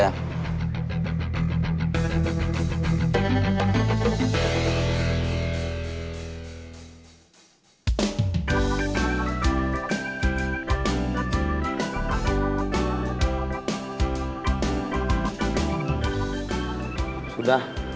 tak ada belakang pak